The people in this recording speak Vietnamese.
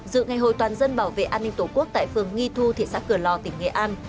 dự ngày hội toàn dân bảo vệ an ninh tổ quốc tại phường nghi thu thị xã cửa lò tỉnh nghệ an